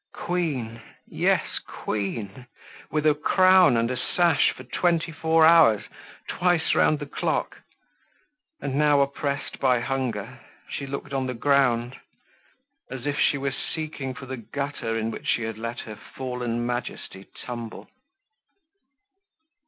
Queen; yes Queen! With a crown and a sash for twenty four hours—twice round the clock! And now oppressed by hunger, she looked on the ground, as if she were seeking for the gutter in which she had let her fallen majesty tumble.